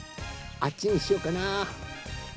こっちにしようかな？